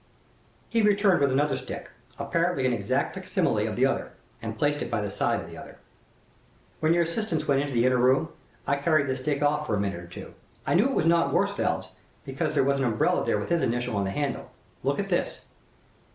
He returned with another stick, apparently an exact fac simile of the other, and placed it by the side of the other. "When your assistants went into the inner room, I carried this stick off for a minute or two. I knew it was not Worsfold's, because there was an umbrella there with his initial on the handle. Look at this."